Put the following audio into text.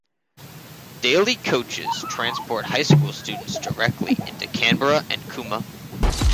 Daily coaches transport high school students directly into Canberra and Cooma.